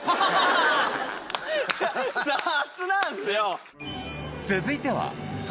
雑なんすよ！